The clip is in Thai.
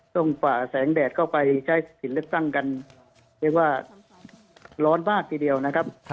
ฝ่าแสงแดดเข้าไปใช้สิทธิ์เลือกตั้งกันเรียกว่าร้อนมากทีเดียวนะครับ